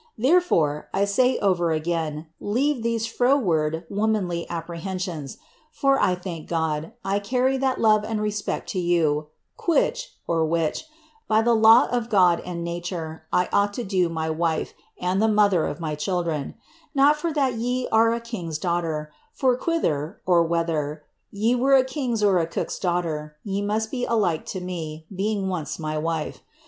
Therefore, I say over again, leare these froward, womanly apprehensions, for, I thank God, I cmny that love and respect to you, ^nMcft (which), by the law of God and nature I ought to do to my wife, and the mother of my children — not for that ye are a king's daughter, for quither (whether) ye were a king's or a cook's daughter, ye must be alike to me, being once ray wife.